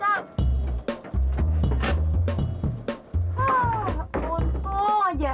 hah ontong aja